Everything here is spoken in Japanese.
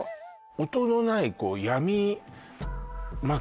音のない闇